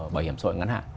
bảo hiểm xã hội ngắn hạn